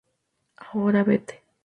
Ahora, vete.